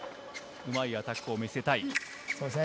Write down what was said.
うまいアタックを見せたい。